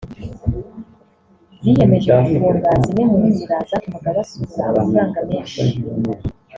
biyemeje gufunga zimwe mu nzira zatumaga basohora amafaranga menshi